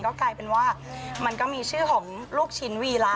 ก็กลายเป็นว่ามันก็มีชื่อของลูกชิ้นวีระ